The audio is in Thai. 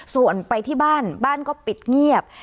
ส่วนไปที่บ้านบ้านก็ปิดเงียบ